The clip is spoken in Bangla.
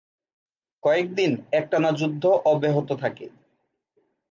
কয়েক দিন একটানা যুদ্ধ অব্যাহত থাকে।